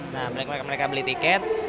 nah mereka beli tiket